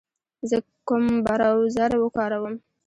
زه کوم براوزر و کاروم